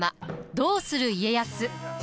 「どうする家康」。